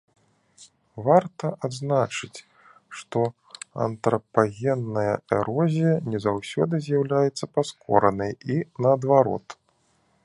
Варта адзначыць, што антрапагенная эрозія не заўсёды з'яўляецца паскоранай, і наадварот.